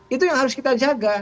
itu yang harus kita jaga